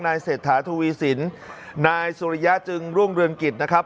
เศรษฐาทวีสินนายสุริยะจึงรุ่งเรืองกิจนะครับ